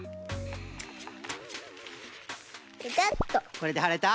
これではれた？